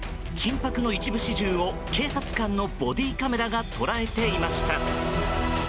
緊迫の一部始終を警察官のボディーカメラが捉えていました。